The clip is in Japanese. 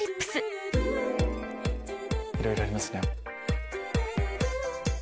いろいろありますね。